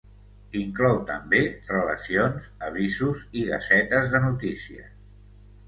Inclou també relacions, avisos i gasetes de notícies.